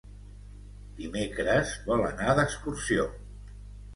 Dimecres vol anar d'excursió.